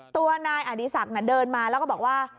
ตัวนายอดีศักดิ์เดินมาแล้วก็บอกว่า